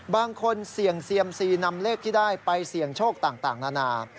บางคนเสี่ยงเซียมซีนำเลขที่ได้ไปเสี่ยงโชคต่างนานา